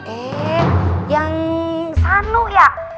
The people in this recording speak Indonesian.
ee yang sanu ya